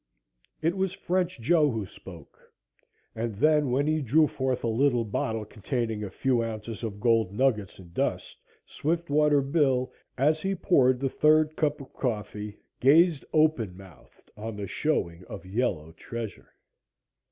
It was French Joe who spoke, and then when he drew forth a little bottle containing a few ounces of gold nuggets and dust, Swiftwater Bill, as he poured the third cup of coffee, gazed open mouthed on the showing of yellow treasure.